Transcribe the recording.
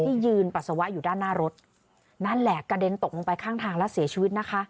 ยืนปัสสาวะอยู่ด้านหน้ารถนั่นแหละกระเด็นตกลงไปข้างทางแล้วเสียชีวิตนะคะ